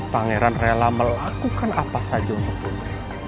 pangeran rela melakukan apa saja untuk putri